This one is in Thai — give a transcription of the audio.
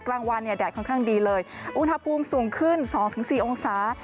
กลางวันเนี่ยแดดค่อนข้างดีเลยอุณหภูมิสูงขึ้น๒๔องศา